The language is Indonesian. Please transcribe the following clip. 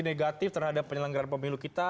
negatif terhadap penyelenggaraan pemilu kita